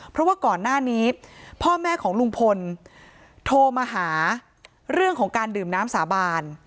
เพราะว่าก่อนหน้านี้พ่อแม่ของลุงพลโทรมาหาเรื่องของการดื่มน้ำสาบาน